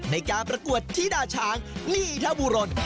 ในการประกวดธิดาช้างนี่ทบุรน